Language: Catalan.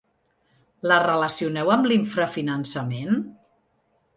La relacioneu amb l’infrafinançament?